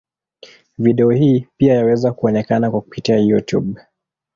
Video hii pia yaweza kuonekana kwa kupitia Youtube.